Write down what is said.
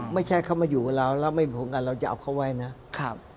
มาอยู่เราแล้วไม่มีฝนการเรายาเข้าไหวนะ